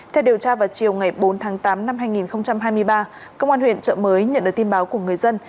theo điều tra vào chiều ngày bốn tháng tám năm hai nghìn hai mươi ba cơ quan huyện trậm mới nhận được tin báo của người dân